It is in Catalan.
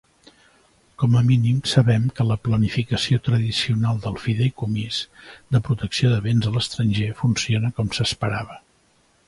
Com a mínim sabem que la planificació tradicional del fideïcomís de protecció de bens a l'estranger funciona com s'esperava.